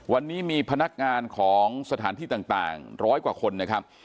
วันนี้มีพนักงานของสถานที่ต่างร้อยกว่าคนนะครับ